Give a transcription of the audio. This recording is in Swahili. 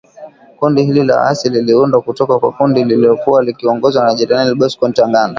Kundi hili la waasi liliundwa kutoka kwa kundi lililokuwa likiongozwa na Jenerali Bosco Ntaganda.